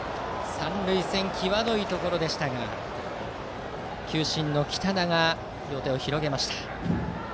三塁線、際どいところでしたが球審の北田が両手を広げました。